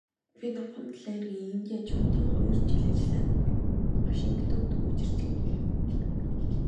Би Номхон далайн эргийн индианчуудын дунд хоёр жил ажиллаад Вашингтонд дөнгөж ирчхээд байв.